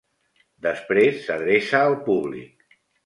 Després s'adreça al públic.